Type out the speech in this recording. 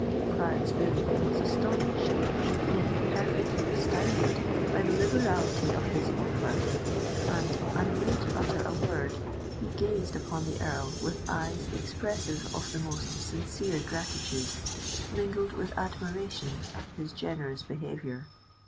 Clarence Villiers was astonished—nay, perfectly astounded by the liberality of this offer; and, unable to utter a word, he gazed upon the Earl with eyes expressive of the most sincere gratitude, mingled with admiration at his generous behaviour.